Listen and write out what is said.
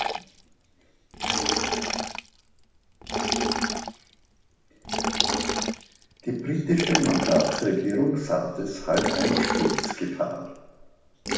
Die britische Mandatsregierung sah deshalb Einsturzgefahr.